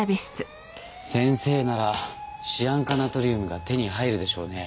先生ならシアン化ナトリウムが手に入るでしょうね。